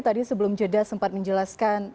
tadi sebelum jeda sempat menjelaskan